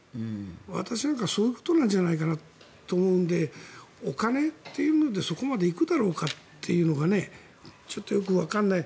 私なんかはそういうことじゃないかと思うのでお金というのでそこまでいくだろうかというのがちょっとよくわからない。